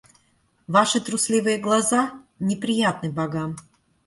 Ваши трусливые глаза неприятны богам.